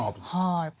はい。